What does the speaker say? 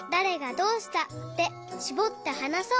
「どうした」でしぼってはなそう！